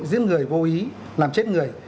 giết người vô ý làm chết người